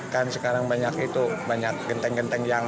karena sekarang banyak itu banyak genteng genteng yang